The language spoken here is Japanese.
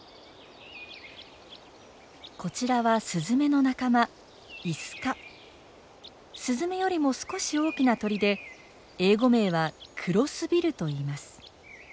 こちらはスズメの仲間スズメよりも少し大きな鳥で英語名はクロスビルといいます。